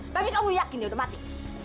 tapi kamu yakin ya udah mati